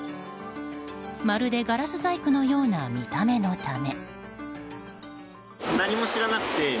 まるで、ガラス細工のような見た目のため。